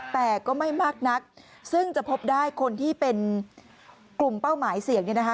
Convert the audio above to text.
แต่ก็ไม่มากนักซึ่งจะพบได้คนที่เป็นกลุ่มเป้าหมายเสี่ยงเนี่ยนะคะ